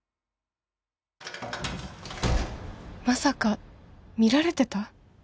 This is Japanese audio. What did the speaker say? まさか見られてた？